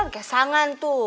seperti orang tua